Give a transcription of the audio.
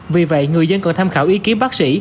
vì vậy người dân cần tham khảo ý kiến bác sĩ